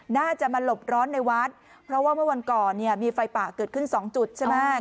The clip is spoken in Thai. น่าจะมาหลบร้อนในวัดเพราะว่าเมื่อวันก่อนเนี่ยมีไฟป่าเกิดขึ้นสองจุดใช่ไหม